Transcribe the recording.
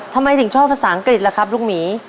ทำไมถึงชอบภาษ้างกรีดหรอครับลูกหมี่